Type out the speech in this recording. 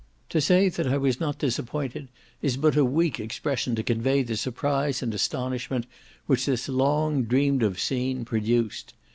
To say that I was not disappointed is but a weak expression to convey the surprise and astonishment which this long dreamed of scene produced.